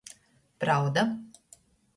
Prauda.